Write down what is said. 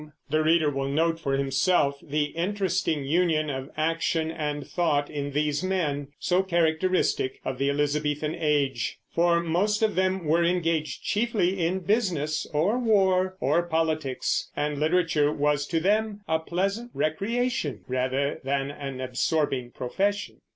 The reader will note for himself the interesting union of action and thought in these men, so characteristic of the Elizabethan Age; for most of them were engaged chiefly in business or war or politics, and literature was to them a pleasant recreation rather than an absorbing profession.